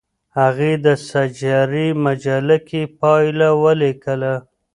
هغې په سنچري مجله کې پایله ولیکله.